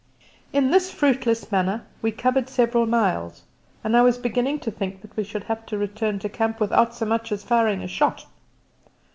In this fruitless manner we covered several miles, and I was beginning to think that we should have to return to camp without so much as firing a shot.